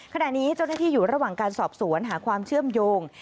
ขณะนี้เจ้าหน้าที่อยู่ระหว่างการสอบสวนหาความเชื่อมโยง